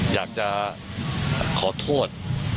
อยากจะขอโทษ